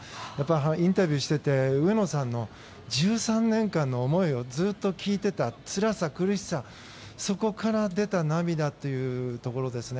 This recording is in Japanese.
インタビューしてて上野さんの１３年間の思いをずっと聞いていたつらさ、苦しさ、そこから出た涙というところですね。